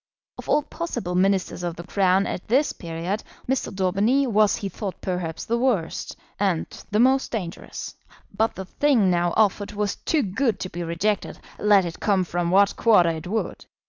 Of all possible Ministers of the Crown at this period, Mr. Daubeny was he thought perhaps the worst, and the most dangerous. But the thing now offered was too good to be rejected, let it come from what quarter it would.